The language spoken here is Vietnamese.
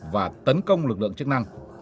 và tấn công lực lượng chức năng